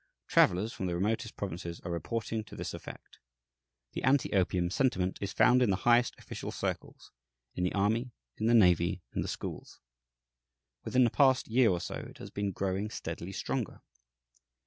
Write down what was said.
Travellers from the remotest provinces are reporting to this effect. The anti opium sentiment is found in the highest official circles, in the army, in the navy, in the schools. Within the past year or so it has been growing steadily stronger.